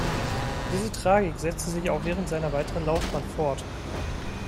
Diese Tragik setzte sich auch während seiner weiteren Laufbahn fort.